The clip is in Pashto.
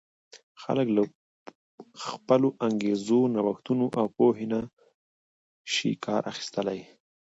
خلک له خپلو انګېزو، نوښتونو او پوهې نه شي کار اخیستلای.